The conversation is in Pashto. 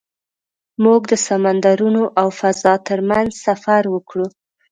موږ د سمندرونو او فضا تر منځ سفر وکړ.